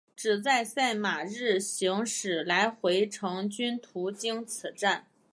只在赛马日行驶来回程均途经此站。